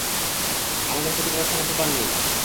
আমাদের ক্ষতি করার সামর্থ্য তার নেই।